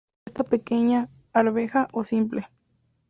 Cresta pequeña: arveja o simple.